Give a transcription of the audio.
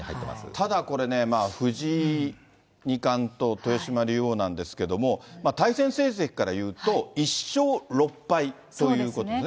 ただこれね、藤井二冠と豊島竜王なんですけれども、対戦成績からいうと１勝６敗ということですね。